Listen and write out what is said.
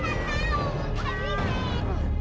tidak bisa tahu